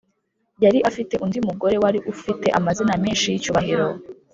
yari afite undi mugore wari ufite amazina menshi y’icyubahiro.